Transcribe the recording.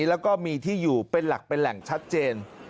แล้วก็มีที่อยู่เป็นหลักเป็นแหล่งชัดเจน